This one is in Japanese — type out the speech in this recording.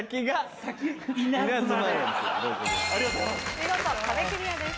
見事壁クリアです。